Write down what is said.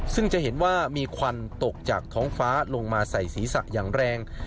ซึ่งจะเห็นว่ามีควันตกจากท้องฟ้าลงมาใส่ศีรษะอย่างแรง